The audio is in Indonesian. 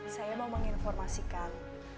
saya mau menginformasikan